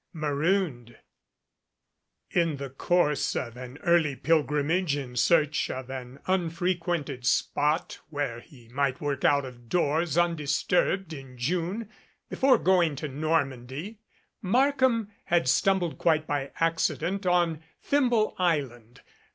MAROONED IN the course of an early pilgrimage in search of an unfrequented spot where he might work out of doors undisturbed in June before going to Normandy, Markham had stumbled quite by accident on Thimble Island.